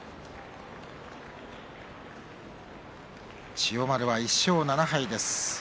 千代丸は１勝７敗です。